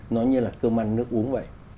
nó như là cơm ăn nước uống vậy